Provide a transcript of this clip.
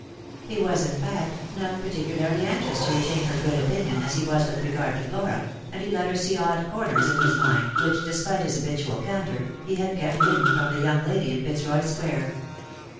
He was, in fact, not particularly anxious to retain her good opinion, as he was with regard to Flora, and he let her see odd corners in his mind, whi< i, despite his habitual candour, he had kept hidden from the "oung lady in Fitzroy square.